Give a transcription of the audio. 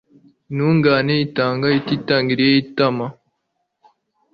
intungane itanga ititangiriye itama